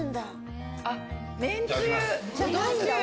あっめんつゆ。